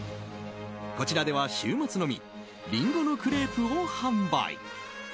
こちらでは週末のみリンゴのクレープを販売。